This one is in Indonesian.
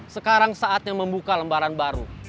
sekarang saatnya membuka lembaran baru